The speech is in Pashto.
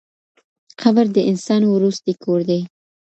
قبر د انسان وروستی کور دی.